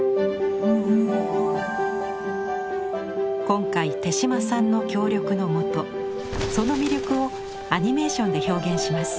今回手島さんの協力のもとその魅力をアニメーションで表現します。